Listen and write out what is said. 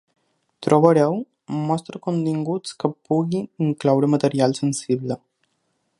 Trobareu ‘Mostra continguts que pugui incloure material sensible’.